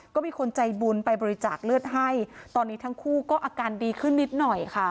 ก็มีคนใจบุญไปบริจาคเลือดให้ตอนนี้ทั้งคู่ก็อาการดีขึ้นนิดหน่อยค่ะ